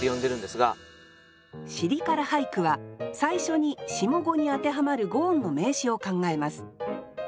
「尻から俳句」は最初に下五に当てはまる五音の名詞を考えます。